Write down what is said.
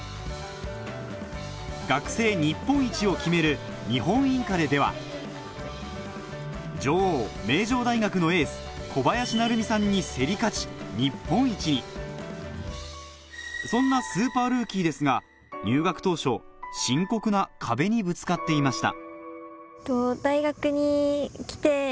学生日本一を決める日本インカレでは女王名城大学のエース小林成美さんに競り勝ち日本一にそんなスーパールーキーですが入学当初深刻な壁にぶつかっていました